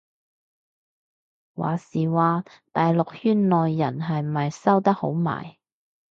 話時話大陸圈內人係咪收得好埋